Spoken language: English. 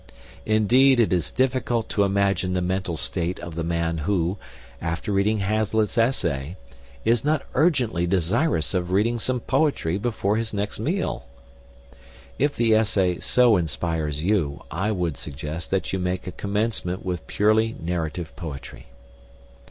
Indeed, it is difficult to imagine the mental state of the man who, after reading Hazlitt's essay, is not urgently desirous of reading some poetry before his next meal. If the essay so inspires you I would suggest that you make a commencement with purely narrative poetry.